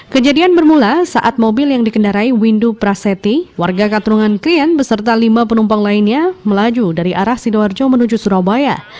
kejadian bermula saat mobil yang dikendarai windu prasetti warga katrungan krian beserta lima penumpang lainnya melaju dari arah sidoarjo menuju surabaya